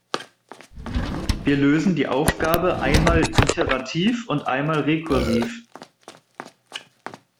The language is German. Wir lösen die Aufgabe einmal iterativ und einmal rekursiv.